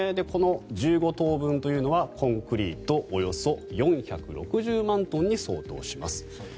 この１５棟分というのはコンクリートおよそ４６０万トンに相当します。